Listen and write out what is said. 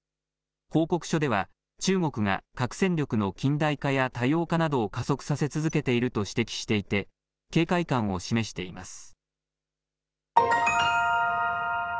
報告書では、中国が核戦力の近代化や多様化などを加速させ続けていると指摘していて、警戒感を示しています。